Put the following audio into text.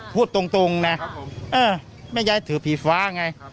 พูดตรงนะแม่ยายถือผีฟ้าไง